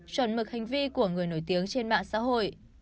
chuẩn mực hành vi của người nổi tiếng trên mạng xã hội